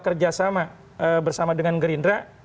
kerjasama bersama dengan gerindra